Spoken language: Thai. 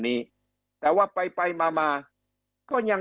คำอภิปรายของสอสอพักเก้าไกลคนหนึ่ง